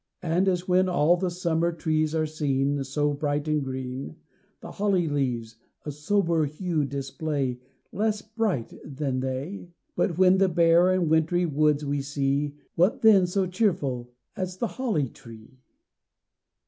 And as when all the summer trees are seen So bright and green, The Holly leaves a sober hue display Less bright than they, But when the bare and wintry woods we see, What then so cheerful as the Holly tree?